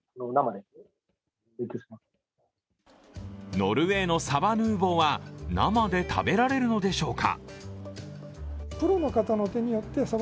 ノルウェーのサバヌーヴォーは生で食べられるのでしょうか？